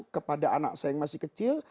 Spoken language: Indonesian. kepada anak saya yang masih kecil